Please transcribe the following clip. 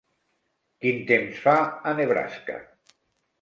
Quin temps fa a Nebraska